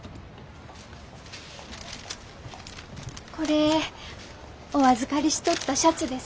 これお預かりしとったシャツです。